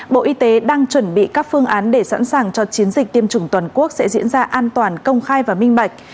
bộ y tế đang chuẩn bị các phương án để sẵn sàng cho chiến dịch tiêm chủng toàn quốc sẽ diễn ra an toàn công khai và minh bạch